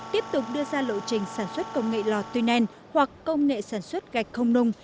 tiếp tục đưa ra lộ trình sản xuất công nghệ lò tuyen hoặc công nghệ sản xuất gạch không nung